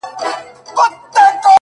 • د دوو وروڼو تر مابین جوړه جگړه وه ,